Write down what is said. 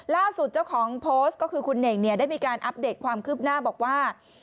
ล่าสุดเจ้าของโพสต์ก็คือคุณเน่งเนี่ยได้มีการอัปเดตความคืบหน้าบอกว่า